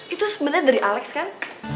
itu sebenarnya dari alex kan